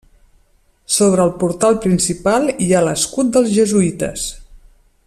Sobre el portal principal hi ha l'escut dels jesuïtes.